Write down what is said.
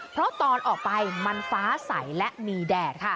เพราะตอนออกไปมันฟ้าใสและมีแดดค่ะ